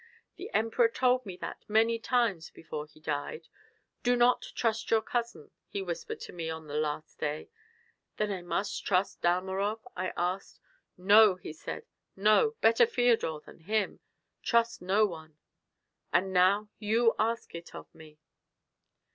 The Emperor told me that many times before he died. 'Do not trust your cousin,' he whispered to me on the last day. 'Then I must trust Dalmorov?' I asked. 'No,' he said, 'no; better Feodor than him. Trust no one.' And now you ask it of me."